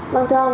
vâng thưa ông